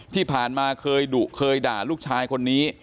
ที่ผ่านมาเคยดุเคยด่าลูกชายคนนี้